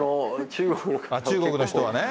中国の人はね。